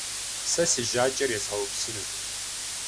Сэ си жьакӏэр езгъэупсынут.